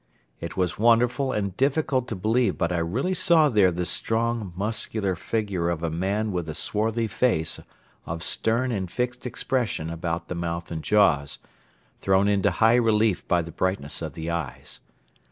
It was wonderful and difficult to believe but I really saw there the strong, muscular figure of a man with a swarthy face of stern and fixed expression about the mouth and jaws, thrown into high relief by the brightness of the eyes.